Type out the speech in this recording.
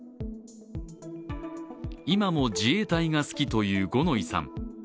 今も自衛隊が好きという五ノ井さん。